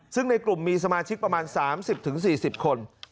ซึ่งในกลุ่มมีสมาชิกประมาณสามสิบถึงสี่สิบคน